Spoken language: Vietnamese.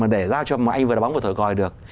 để giao cho một anh vừa là bóng vừa thổi gòi được